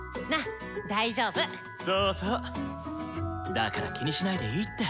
だから気にしないでいいって。